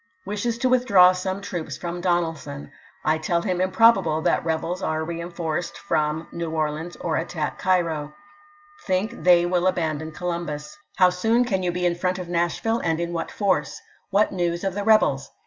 Wishes to withdraw some troops from Donelson. I tell him improbable that rebels [are] reenforced from New Orleans or attack Cairo. Think [they] will abandon Columbus. .. How soon can you be 310 ABRAHAM LINCOLN ch. XVIII. in front of Nashville, and in what force? What news of the rebels